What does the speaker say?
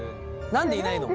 何でいないの？